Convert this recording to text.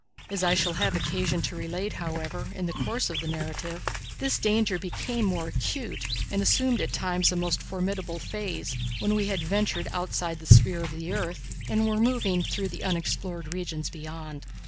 As I shall have occasion to relate, however, in the course of the narrative, this danger became more acute and assumed at times a most formidable phase, when we had ventured outside the sphere of the earth and were moving through the unexplored regions beyond.